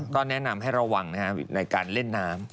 ก็แนะนำให้ระวังในการเล่นน้ำ